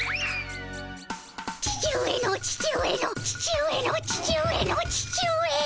父上の父上の父上の父上の父上。